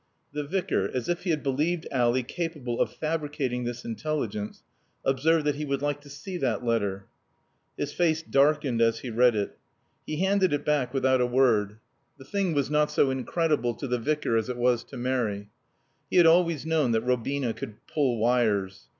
The Vicar, as if he had believed Ally capable of fabricating this intelligence, observed that he would like to see that letter. His face darkened as he read it. He handed it back without a word. The thing was not so incredible to the Vicar as it was to Mary. He had always known that Robina could pull wires.